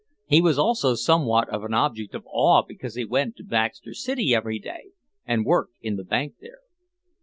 He was also somewhat of an object of awe because he went to Baxter City every day, and worked in the bank there.